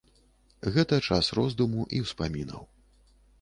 Гэта час роздуму і ўспамінаў.